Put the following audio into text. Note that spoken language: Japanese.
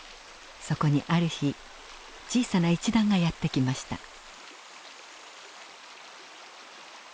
そこにある日小さな一団がやって来ました。